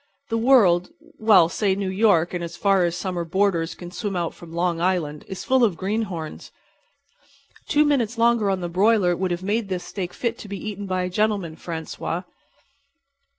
The world—well, say New York and as far as summer boarders can swim out from Long Island—is full of greenhorns. Two minutes longer on the broiler would have made this steak fit to be eaten by a gentleman, Francois."